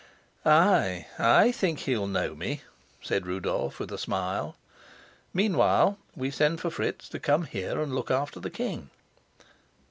"Ay, I think he'll know me," said Rudolf with a smile. "Meanwhile we send for Fritz to come here and look after the king."